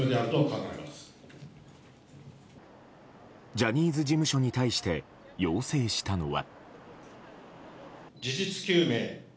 ジャニーズ事務所に対して要請したのは。